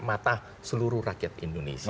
mata seluruh rakyat indonesia